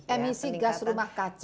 emisi gas rumah kaca